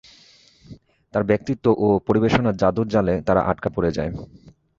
তাঁর ব্যক্তিত্ব ও পরিবেশনার জাদুর জালে তারা আটকা পড়ে যায়।